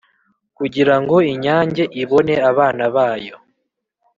kugira ngo inyange ibone abana bayo